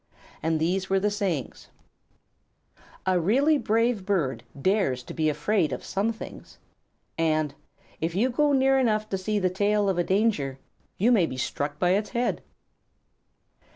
And these were the sayings: "A really brave bird dares to be afraid of some things," and, "If you go near enough to see the tail of a danger, you may be struck by its head."